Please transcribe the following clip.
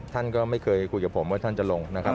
ท่านก็ไม่เคยคุยกับผมว่าท่านจะลงนะครับ